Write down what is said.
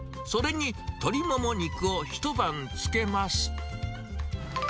それに鶏もも肉を一晩漬けます。